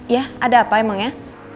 ya ada apa emang ya